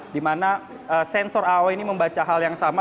di mana sensor ao ini membaca hal yang sama